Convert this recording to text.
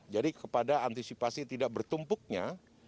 jadi kepada antisipasi tidak bertumpuknya